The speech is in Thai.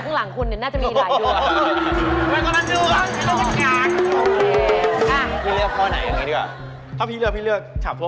ทั้งหลังคุณเนี่ยน่าจะมีอีกหลายดวง